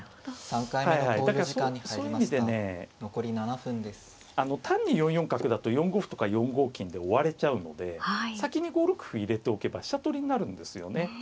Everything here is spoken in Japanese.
はいはいだからそういう意味でね単に４四角だと４五歩とか４五金で追われちゃうので先に５六歩入れておけば飛車取りになるんですよね。